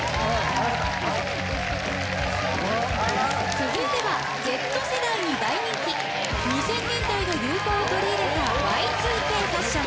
続いてはＺ世代に大人気２０００年代の流行を取り入れたＹ２Ｋファッション。